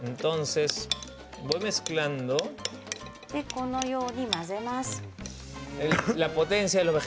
このように混ぜます。